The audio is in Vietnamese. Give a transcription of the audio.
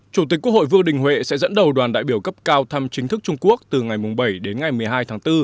chủ tịch quốc hội vương đình huệ sẽ dẫn đầu đoàn đại biểu cấp cao thăm chính thức trung quốc từ ngày bảy đến ngày một mươi hai tháng bốn